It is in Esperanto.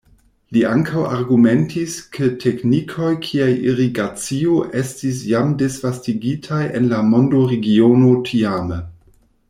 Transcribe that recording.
Li ankaŭ argumentis ke teknikoj kiaj irigacio estis jam disvastigitaj en la mondoregiono tiame.